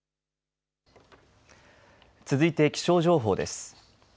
続いて気象情報です。